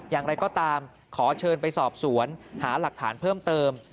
อย่างไรก็ตามขอเชิญไปสอบสวนหาหลักฐานเพิ่มเติม